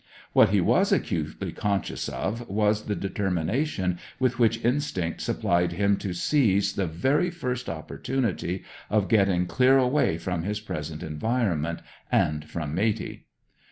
What he was acutely conscious of was the determination with which instinct supplied him to seize the very first opportunity of getting clear away from his present environment, and from Matey.